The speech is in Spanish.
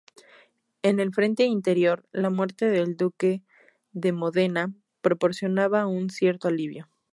En el frente interno, la muerte del duque de Módena proporcionaba un cierto alivio.